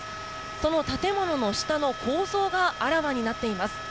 その建物の下の構造があらわになっています。